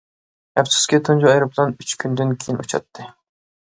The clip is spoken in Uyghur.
ئەپسۇسكى، تۇنجى ئايروپىلان ئۈچ كۈندىن كېيىن ئۇچاتتى.